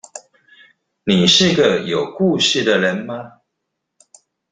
你是個有故事的人嗎